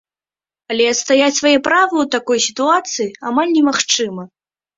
Але адстаяць свае правы ў такой сітуацыі амаль немагчыма.